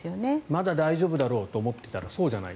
まだ大丈夫だろうと思っていたらそうじゃない。